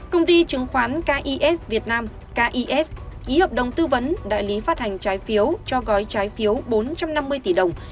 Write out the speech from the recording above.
công ty chứng khoán kis việt nam kis ký hợp đồng tư vấn đại lý phát hành trái phiếu cho gói trái phiếu bốn trăm năm mươi tỷ đồng